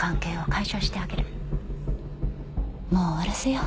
もう終わらせよう。